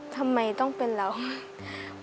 ทำไมต้องเป็นเรา